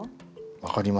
分かりますか？